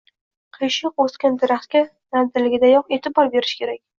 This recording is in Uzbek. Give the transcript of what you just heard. Qiyshiq o‘sgan daraxtga navdaligidayoq e’tibor berish kerak.